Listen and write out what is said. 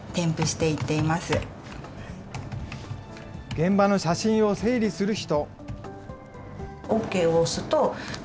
現場の写真を整理する人。